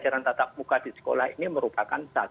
jadi itu adalah satu sisi yang harus diperlukan